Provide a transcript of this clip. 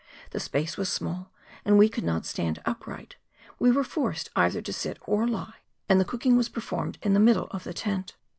The space was small, and we could not stand upright; we were forced either to sit or lie, and the cooking was performed in the middle of the tent.